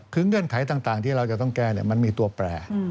คือเงื่อนไขต่างที่เราจะต้องแก้มันมีตัวแปร